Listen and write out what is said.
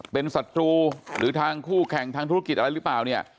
เป็นศัตรูหรือทางคู่แข่งทางธุรกิจอะไรหรือเปล่าเนี่ย